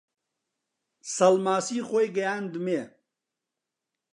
سەڵماسی خۆی گەیاندمێ